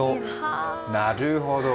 なるほど。